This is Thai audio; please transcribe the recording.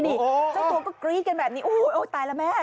โอ๊ยโอ๊ยใจตัวก็กรี๊ดกันแบบนี้อู้ยตายแล้วแม่